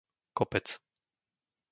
Kopec